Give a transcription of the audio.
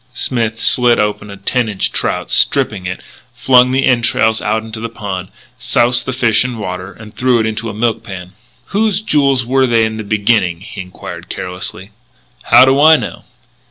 Smith slit open a ten inch trout, stripped it, flung the entrails out into the pond, soused the fish in water, and threw it into a milk pan. "Whose jewels were they in the beginning?" he enquired carelessly. "How do I know?"